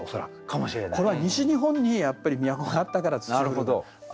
これは西日本にやっぱり都があったから「霾」があるとかね。